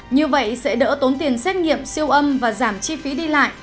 như vậy sẽ đỡ tốn tiền xét nghiệm siêu âm và giảm chi phí đi lại